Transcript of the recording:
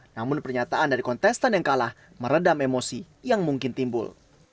namun pernyataan dari kontestan yang kalah meredam emosi yang mungkin timbul